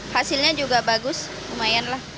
hasilnya juga bagus lumayanlah